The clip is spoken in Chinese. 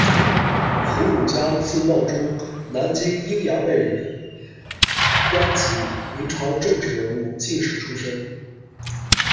胡汝嘉，字懋中，南京鹰扬卫人，官籍，明朝政治人物、进士出身。